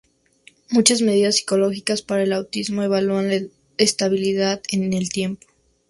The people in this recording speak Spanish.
Muchas medidas psicológicas para el autismo evalúan la estabilidad en el tiempo.